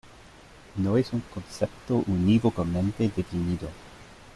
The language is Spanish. No es un concepto unívocamente definido.